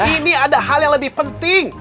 ini ada hal yang lebih penting